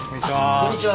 こんにちは